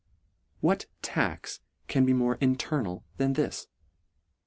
What g "tax" can be more "internal" than this